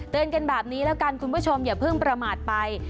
กันแบบนี้แล้วกันคุณผู้ชมอย่าเพิ่งประมาทไป